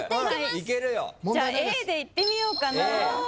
じゃあＡでいってみようかなぁ。